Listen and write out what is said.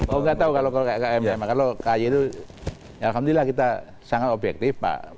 oh enggak tahu kalau km emak kalau kayu itu ya alhamdulillah kita sangat objektif pak